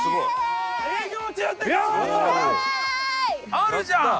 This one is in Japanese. あるじゃん！